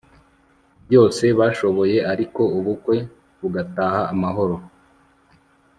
byose bashoboye ariko ubukwe bugataha amahoro